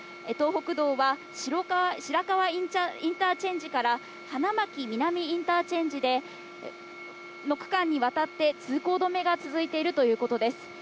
東北道は白川インターチェンジから花巻南インターチェンジの区間にわたって通行止めが続いているということです。